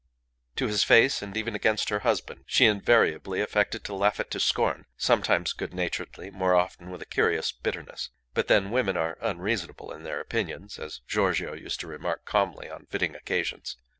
To his face, and even against her husband, she invariably affected to laugh it to scorn, sometimes good naturedly, more often with a curious bitterness. But then women are unreasonable in their opinions, as Giorgio used to remark calmly on fitting occasions.